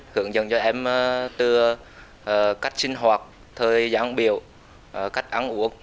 hướng dẫn cho em từ cách sinh hoạt thời gian biểu cách ăn uống